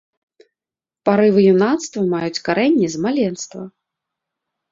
Парывы юнацтва маюць карэнні з маленства.